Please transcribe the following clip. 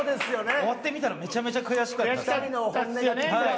終わってみたらめちゃめちゃ悔しかった。